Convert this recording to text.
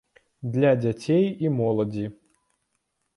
Для дзяцей і моладзі.